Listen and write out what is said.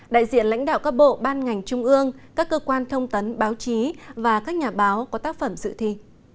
đại diện lãnh đạo các bộ ban ngành trung ương các cơ quan thông tấn báo chí và các nhà báo có tác phẩm dự thi